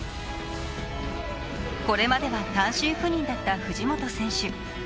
これまでは単身赴任だった藤本選手。